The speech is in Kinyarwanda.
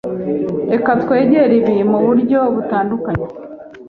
Reka twegere ibi muburyo butandukanye.